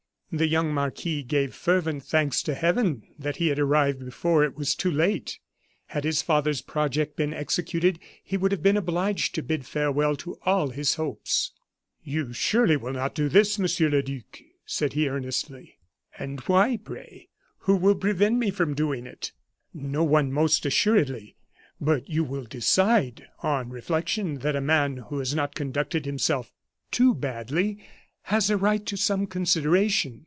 The young marquis gave fervent thanks to Heaven that he had arrived before it was too late. Had his father's project been executed, he would have been obliged to bid farewell to all his hopes. "You surely will not do this, Monsieur le Duc?" said he, earnestly. "And why, pray? Who will prevent me from doing it?" "No one, most assuredly. But you will decide, on reflection, that a man who has not conducted himself too badly has a right to some consideration."